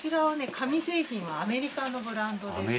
紙製品はアメリカのブランドですね。